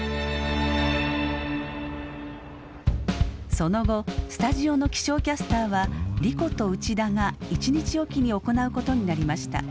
その後スタジオの気象キャスターは莉子と内田が１日置きに行うことになりました。